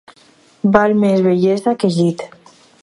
Val més vellesa que llit.